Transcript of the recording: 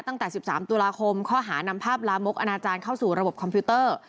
ตั้งแต่๑๓ตุลาคมข้อหานำภาพลามกอนาจารย์เข้าสู่ระบบคอมพิวเตอร์